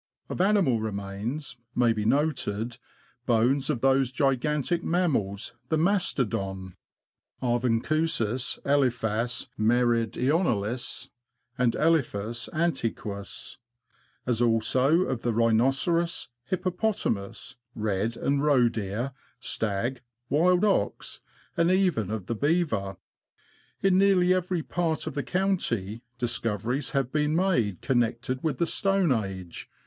Of animal remains, may be noted, bones of those gigantic mammals, the mastodon {Ar vancusis), Elephas meridionalis, and Elephas anti quus ; as also of the rhinoceros, hippopotamus, red and roe deer, stag, wild ox, and even of the beaver. In nearly every part of the county, discoveries have been made connected with the Stone Age.